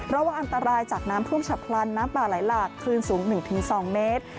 เราว่าอันตรายจากน้ำพุ่มฉับพลันน้ำบาลัยหลากคลื่นสูง๑๒เมตร